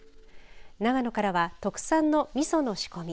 長野からは特産のみその仕込み。